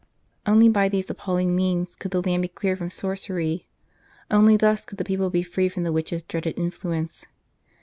Only by these appalling means could the land be cleared from sorcery ; only thus could the people be freed from the witch s dreaded influence.